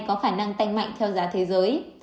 có khả năng tanh mạnh theo giá thế giới